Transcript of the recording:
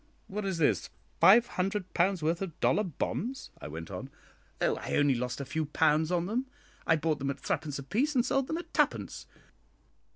"What is this? five hundred pounds' worth of dollar bonds?" I went on. "Oh, I only lost a few pounds on them. I bought them at threepence apiece and sold them at twopence.